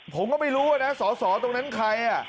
ผมก็ไม่รู้ว่านะสอสอตรงนั้นใคร